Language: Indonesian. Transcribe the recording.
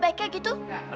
kali ini deket lagi